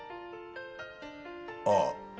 ああ。